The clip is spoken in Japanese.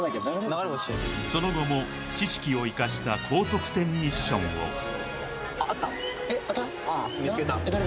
流れ星その後も知識を生かした高得点ミッションをどれ？